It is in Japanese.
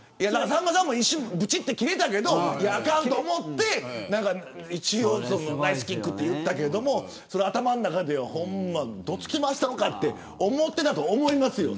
さんまさんも一瞬ぶちって切れたけどあかんと思って一応ナイスキックと言ったけれど頭の中ではほんま、どつき回したろかと思っていたと思いますよ。